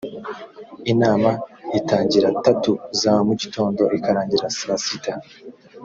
inama itangira tatu za mu gitondo ikarangira saa sita